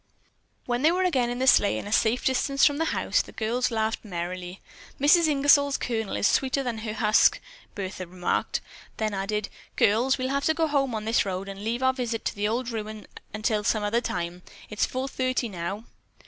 When they were again in the sleigh, and a safe distance from the house, the girls laughed merrily. "Mrs. Ingersol's kernel is sweeter than her husk," Bertha remarked. Then added: "Girls, we'll have to go home on this road and leave our visit to the old ruin until some other time. It's four thirty now."